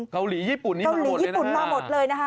เกาหลีญี่ปุ่นมาหมดเลยนะคะ